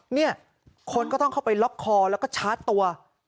เนี่ยคนก็ต้องเข้าไปล็อกคอแล้วก็ชาร์จตัว